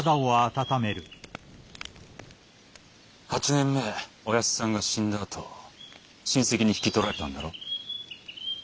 ８年前おやっさんが死んだあと親戚に引き取られたんだろ？